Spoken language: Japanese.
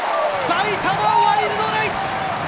埼玉ワイルドナイツ！